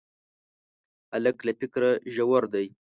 هلک له فکره ژور دی.